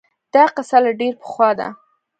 دا قصه له ډېر پخوا ده